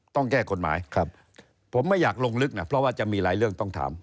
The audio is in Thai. ต้องแก้กฎหมายครับผมไม่อยากลงลึกนะเพราะว่าจะมีหลายเรื่องต้องถาม